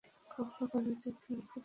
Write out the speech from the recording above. খুব করে চেয়েছিলাম আজকে রাতে আনন্দ করবো।